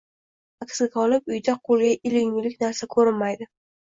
Aksiga olib, uyda qo`lga ilingulik narsa ko`rinmaydi